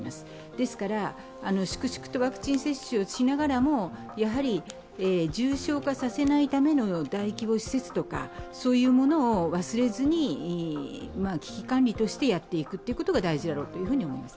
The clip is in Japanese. ですから、粛々とワクチン接種をしながらも重症化させないための大規模施設とかそういうものを忘れずに危機管理としてやっていくことが大事だろうと思います。